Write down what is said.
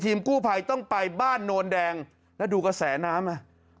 กู้ภัยต้องไปบ้านโนนแดงแล้วดูกระแสน้ำอ่ะ